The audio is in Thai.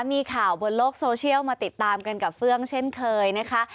มีข่าวบนโลกโซเชียลมาติดตามกันกับเฟื่องเช่นเคยนะคะ